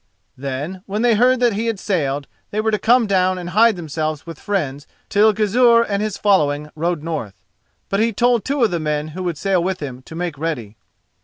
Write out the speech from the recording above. Then, when they heard that he had sailed, they were to come down and hide themselves with friends till Gizur and his following rode north. But he told two of the men who would sail with him to make ready.